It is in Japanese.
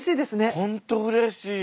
本当うれしい。